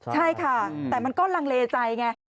ใช่ค่ะแต่มันก็ลังเลใจไง